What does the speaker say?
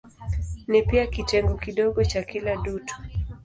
Ni pia kitengo kidogo cha kila dutu.